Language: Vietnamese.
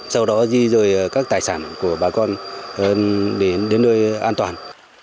sau đó di rời các tài sản của bà con đến nơi an toàn